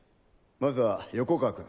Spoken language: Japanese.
まずは横川君。